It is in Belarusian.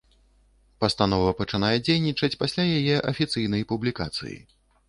Пастанова пачынае дзейнічаць пасля яе афіцыйнай публікацыі.